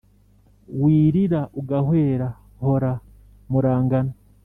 wirira ugahwera, hora murangana,